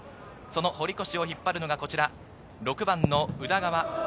その堀越を引っ張るのが、６番の宇田川瑛